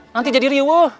nanti jadi riuh